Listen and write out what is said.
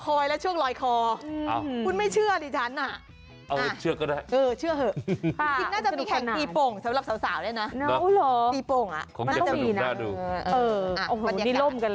ออกทะเลไปเลย